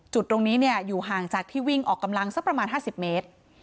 จุดตรงนี้อยู่ห่างจากที่วิ่งออกกำลังสักประมาณ๕๐เมตร